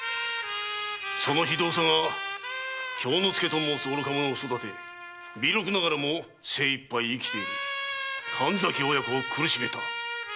その非道さが京之介と申す愚か者を育て微禄ながらも精一杯生きている神崎親子を苦しめた。